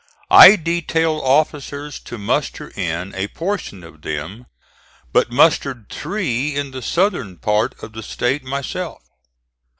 I detailed officers to muster in a portion of them, but mustered three in the southern part of the State myself.